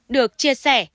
được chia sẻ